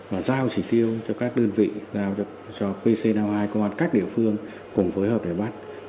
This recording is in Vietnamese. và giao chỉ tiêu cho các đơn vị giao cho pcn hai các địa phương cùng phối hợp để bắt